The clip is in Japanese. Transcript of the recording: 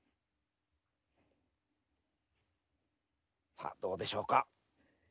さあどうでしょうか？